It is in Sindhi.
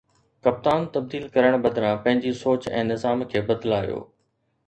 ڪپتان تبديل ڪرڻ بدران پنهنجي سوچ ۽ نظام کي بدلايو